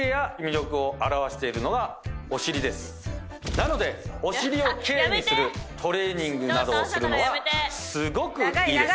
なのでお尻を奇麗にするトレーニングなどをするのはすごくいいです。